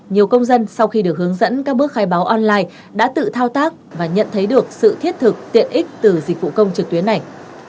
nhiều công dân sau khi được hướng dẫn các bước khai báo online đã tự thao tác và nhận thấy được sự thiết thực tiện ích từ dịch vụ công trực tuyến này